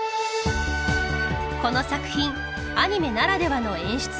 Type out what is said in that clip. この作品アニメならではの演出がある。